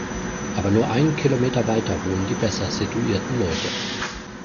Aber nur einen Kilometer weiter wohnen die besser situierten Leute.